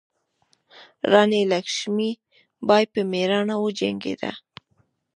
راني لکشمي بای په میړانه وجنګیده.